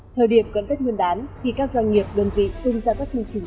thời điểm cận tích nguyên đán khi các doanh nghiệp đơn vị tung ra các chương trình